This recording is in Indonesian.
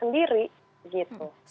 undang undang titikor itu sendiri